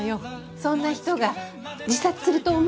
そんな人が自殺すると思う？